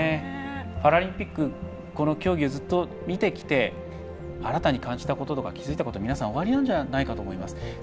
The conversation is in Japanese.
パラリンピック競技をずっと見てきて新たに感じたことと気付いたこと皆さん、おありなんじゃないかと思います。